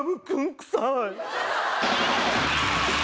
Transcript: くさい